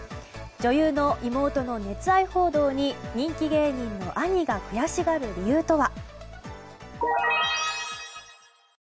女優の妹の熱愛報道に人気芸人の兄が悔しがる理由とは。